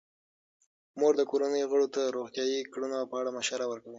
مور د کورنۍ غړو ته د روغتیايي کړنو په اړه مشوره ورکوي.